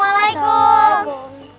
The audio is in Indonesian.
waalaikumsalam warahmatullahi wabarakatuh